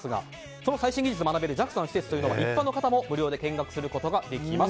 その最新技術を学べるＪＡＸＡの施設は一般の方も無料で見学することができます。